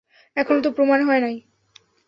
এখনও তো প্রামাণ হয় নাই।